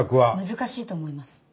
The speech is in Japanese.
難しいと思います。